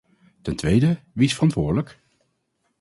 Ten tweede: wie is verantwoordelijk?